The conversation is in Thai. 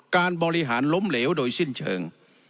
การบริหารล้มเหลวโดยสิ้นเชิง